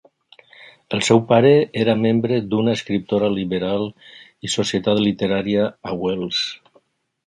El seu pare era membre d'una escriptora liberal i societat literària a Wels.